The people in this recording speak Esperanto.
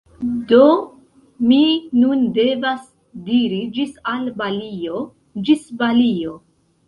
Do mi nun devas diri ĝis al Balio - Ĝis Balio!